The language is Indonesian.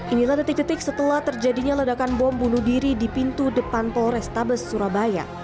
inilah detik detik setelah terjadinya ledakan bom bunuh diri di pintu depan polrestabes surabaya